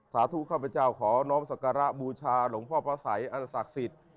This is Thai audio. สาธุข้าพเจ้าขอน้องสการะบูชาหลวงพ่อพระสัยอันศักดิ์สิทธิ์